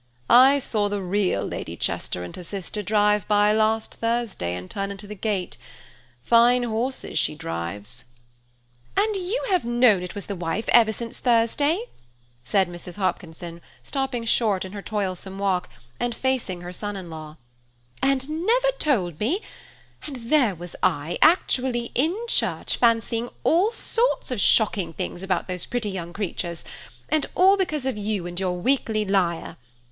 "I saw the real Lady Chester and her sister drive by last Thursday and turn into the gate; fine horses she drives." "And you have known it was the wife ever since Thursday?" said Mrs. Hopkinson, stopping short in her toilsome walk, and facing her son in law, "and never told me; and there was I, actually in church, fancying all sorts of shocking things about those pretty young creatures, and all because of you and your Weekly Lyre.